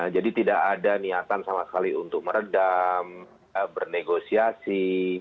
jadi tidak ada niatan sama sekali untuk meredam bernegosiasi